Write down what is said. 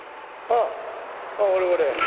ああ俺俺。